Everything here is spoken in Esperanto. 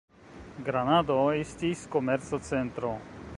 Granado estis komerca centro.